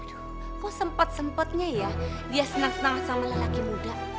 kok sempat sempatnya ya dia senang senang sama lelaki muda